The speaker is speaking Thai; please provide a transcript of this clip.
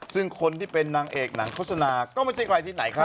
ซึ่งคนที่เป็นนางเอกหนังโฆษณาก็ไม่ใช่ใครที่ไหนครับ